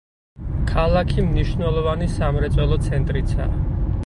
ქალაქი მნიშვნელოვანი სამრეწველო ცენტრიცაა.